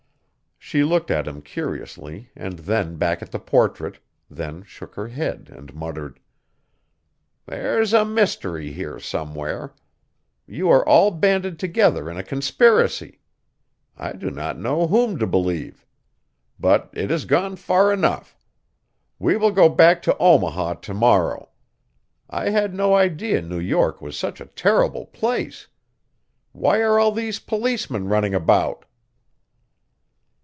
She looked at him curiously and then back at the portrait, then shook her head and muttered: "There's a mystery here somewhere. You are all banded together in a conspiracy. I do not know whom to believe. But it has gone far enough. We will go back to Omaha to morrow. I had no idea New York was such a terrible place. Why are all these policemen running about?"